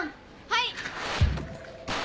はい。